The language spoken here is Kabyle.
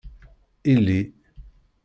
Ili.